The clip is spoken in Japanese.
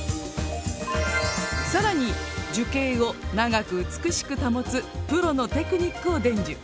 更に樹形を長く美しく保つプロのテクニックを伝授。